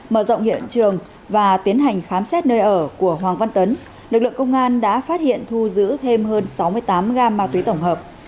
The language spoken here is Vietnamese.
mở rộng hiện trường và tiến hành khám xét nơi ở của hoàng văn tấn lực lượng công an đã phát hiện thu giữ thêm hơn sáu mươi tám gam ma túy tổng hợp